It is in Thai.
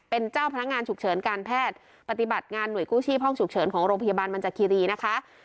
เป็นเจ้าพนักงานฉุกเฉินการแพทย์ปฏิบัติงานหน่วยกู้ชีพห้องฉุกเฉินของโรงพยาบาลบรรจคีรีนะคะ